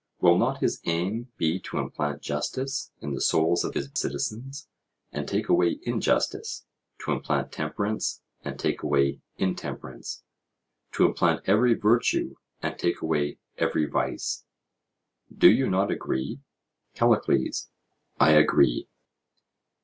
Will not his aim be to implant justice in the souls of his citizens and take away injustice, to implant temperance and take away intemperance, to implant every virtue and take away every vice? Do you not agree? CALLICLES: I agree.